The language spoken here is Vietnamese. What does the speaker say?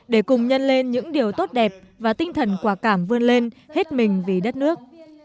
để cùng nhân lên những điều tốt đẹp và tinh thần quả cảm vươn lên hết mình vì đất nước